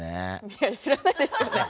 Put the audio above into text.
いや知らないですよね。